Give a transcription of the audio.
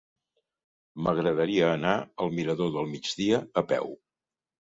M'agradaria anar al mirador del Migdia a peu.